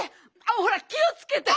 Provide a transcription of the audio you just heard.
あっほらきをつけて。